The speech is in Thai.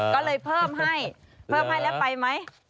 ก็เลยเพิ่มให้เพิ่มให้แล้วไปไหม